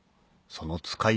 その使い